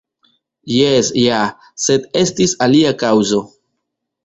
Jes ja, sed estis alia kaŭzo.